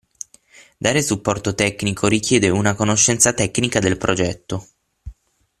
Dare supporto tecnico richiede una conoscenza tecnica del progetto.